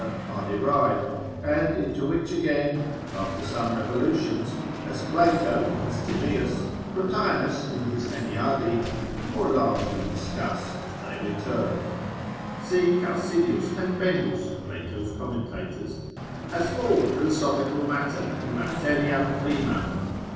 are derived, and into which again, after some revolutions, as Plato in his Timaeus, Plotinus in his Enneades more largely discuss, they return (see Chalcidius and Bennius, Plato's commentators), as all philosophical matter, in materiam primam.